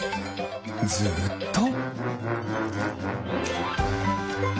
ずっと。